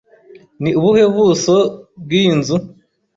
Ni ubuhe buso bw'iyi nzu?